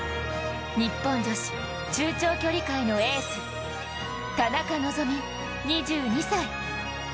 日本女子中長距離界のエース、田中希実２２歳。